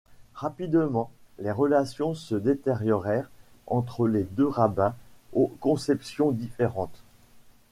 Rapidement, les relations se détériorèrent entre les deux rabbins aux conceptions différentes.